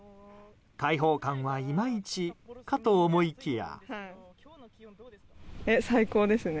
開放感はいまいちかと思いきや。